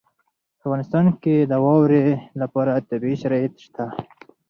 په افغانستان کې د واورې لپاره طبیعي شرایط شته.